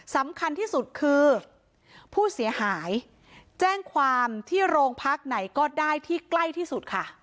สำคัญที่สุดคือผู้เสียหายแจ้งความที่โรงพักไหนก็ได้ที่ใกล้ที่สุดค่ะ